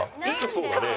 そうだね。